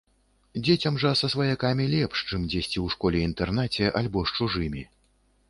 Дзецям жа са сваякамі лепш, чым дзесьці ў школе-інтэрнаце альбо з чужымі.